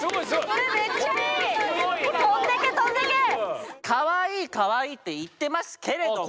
これはすごい。「かわいいかわいい」って言ってますけれども！